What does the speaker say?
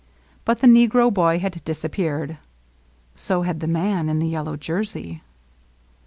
But the negro boy had disappeared. So had the man in the yellow jersey.